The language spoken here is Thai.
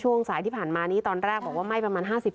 ช่วงสายที่ผ่านมานี้ตอนแรกบอกว่าไหม้ประมาณ๕๐